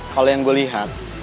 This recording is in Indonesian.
kalau yang gua lihat